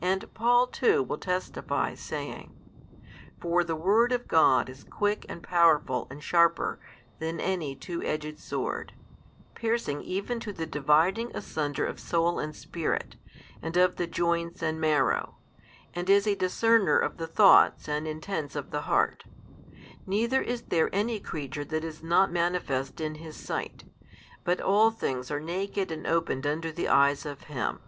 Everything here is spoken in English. And Paul too will testify, saying, For the word of God is quick and powerful and sharper than any two edged sword, piercing even to the dividing asunder of soul and spirit, and of the joints and marrow, and is a discerner of the thoughts and intents of the heart: neither is there any creature that is not manifest in His sight, but all things are naked and opened unto the Eyes of Him.